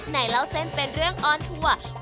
เล่าเส้นเป็นเรื่องออนทัวร์